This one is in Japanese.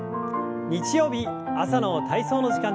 日曜日朝の体操の時間です。